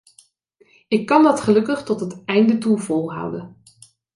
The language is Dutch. Ik kan dat gelukkig tot het einde toe volhouden.